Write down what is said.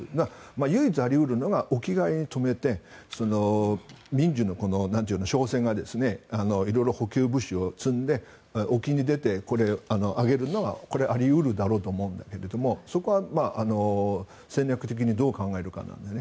唯一あり得るのは沖側に止めて民需の商船が色々、補給物資を積んで沖に出て、あげるのはあり得るだろうと思うんだけど底は戦略的にどう考えるかですね。